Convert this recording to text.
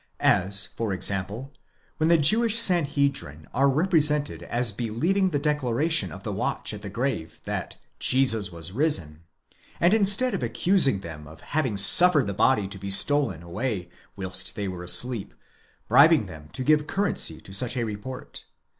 As for example, when the Jewish Sanhedrim are represented as believing the declaration of the watch at the grave that Jesus was risen, and instead of accusing them of having suffered the body to be stolen away whilst they were asleep, bribing them to give currency to such a report.